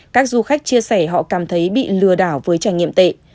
các du khách chia sẻ họ cảm thấy bị lừa đảo với trải nghiệm tệ